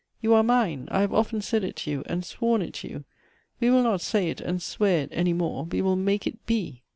You are mine — I have often said it to you, and sworn it to you. We will not say it and swear it any more — we will make it be."